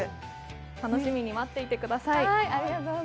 楽しみに待っていてください。